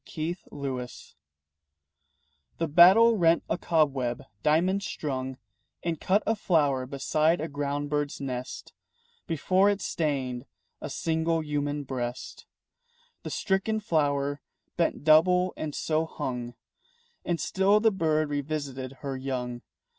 RANGE FINDING The battle rent a cobweb diamond strung And cut a flower beside a ground bird's nest Before it stained a single human breast. The stricken flower bent double and so hung. And still the bird revisited her young.